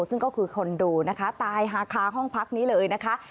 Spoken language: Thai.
ซึ่งก็คือคอนโดนะคะตายฮาคาห้องพักนี้เลยนะคะ